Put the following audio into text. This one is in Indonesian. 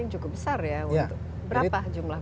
yang cukup besar ya berapa jumlah